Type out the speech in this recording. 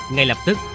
ngay lập tức